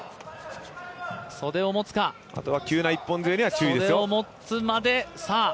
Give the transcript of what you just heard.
あとは急な一本釣りには注意ですよ。